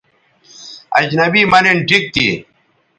اجنبی مہ نِن ٹھیک تھی